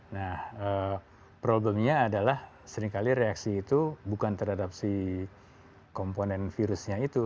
nah problemnya adalah seringkali reaksi itu bukan terhadap si komponen virusnya itu